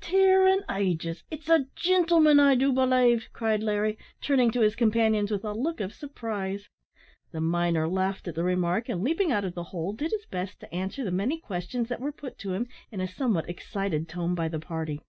"Tear an' ages! it's a gintleman, I do belave," cried Larry, turning to his companions with a look of surprise. The miner laughed at the remark, and, leaping out of the hole, did his best to answer the many questions that were put to him in a somewhat excited tone by the party.